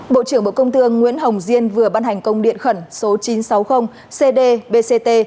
bộ trưởng bộ công thương nguyễn hồng diên vừa ban hành công điện khẩn số chín trăm sáu mươi cdbct